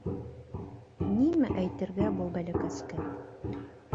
Нимә әйтергә был бәләкәскә!